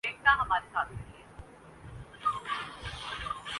مختصر دعا کے بعد لوگ کھانے میں مصروف ہو جاتے ہیں۔